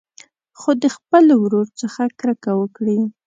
خو د خپل ورور څخه کرکه وکړي.